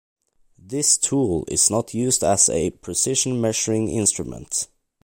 This tool is not used as a precision measuring instrument.